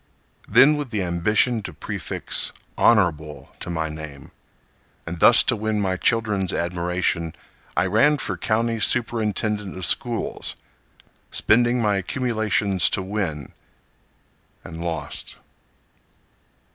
Then, with the ambition to prefix Honorable to my name, And thus to win my children's admiration, I ran for County Superintendent of Schools, Spending my accumulations to win—and lost.